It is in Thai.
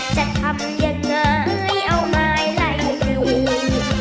จะทำยังไงเอาอายไหล่ดู